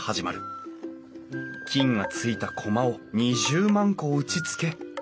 菌がついたコマを２０万個打ちつけ